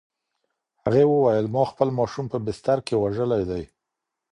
هغې وویل: "ما خپل ماشوم په بستر کې وژلی دی؟"